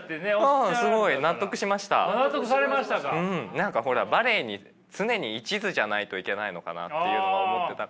何かほらバレエに常にいちずじゃないといけないのかなっていうのは思ってたから。